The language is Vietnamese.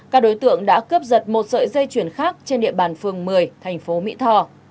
các đối tượng đã cướp giật một sợi dây chuyền khác trên địa bàn phường một mươi thành phố mỹ tho